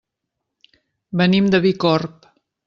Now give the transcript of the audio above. Venim de Bicorb.